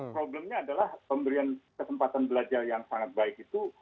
problemnya adalah pemberian kesempatan belajar yang sangat baik itu